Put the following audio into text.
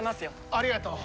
ありがとう。